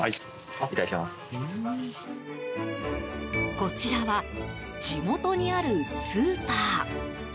こちらは地元にあるスーパー。